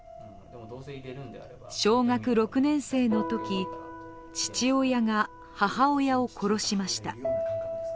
小学６年生のとき、父親が母親を殺しました。